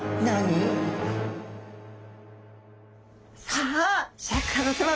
さあシャーク香音さま